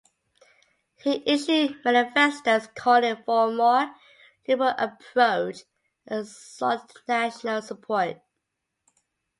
He issued manifestos calling for a more liberal approach, and sought national support.